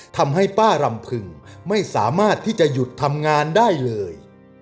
ทำให้ป้ารำพึงไม่สามารถที่จะหยุดทำงานได้เลย